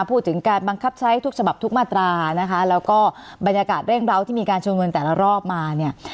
พูดถึงการบังคับใช้ทุกฉบับทุกมาตรานะคะแล้วก็บรรยากาศเรื่องราวที่มีการชุมนุมแต่ละรอบมาเนี่ย